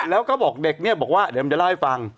แล้วก็บอกเด็กเนี่ยบอกว่าเดี๋ยวมันจะเล่าให้ฟัง